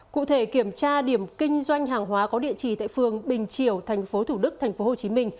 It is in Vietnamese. cụ thể kiểm tra điểm kinh doanh hàng hóa có địa chỉ tại phường bình triều tp thủ đức tp hcm